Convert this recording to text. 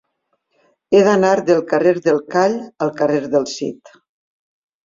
He d'anar del carrer del Call al carrer del Cid.